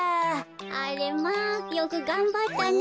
あれまあよくがんばったね。